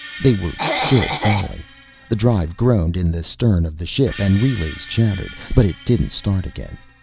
They were still falling. The drive groaned in the stern of the ship and relays chattered. But it didn't start again.